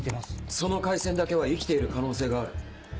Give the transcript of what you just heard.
その回線だけは生きている可能性がある。